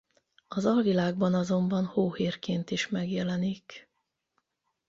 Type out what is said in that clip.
Az alvilágban azonban hóhérként is megjelenik.